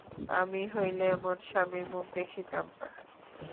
আমি হইলে এমন স্বামীর মুখ দেখিতাম না।